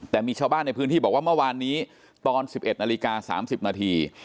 แต่มีชาวบ้านในพื้นที่บอกว่าเมื่อวานนี้ตอน๑๑นาฬิกา๓๐นาที